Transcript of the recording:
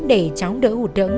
để cháu đỡ hụt ẩn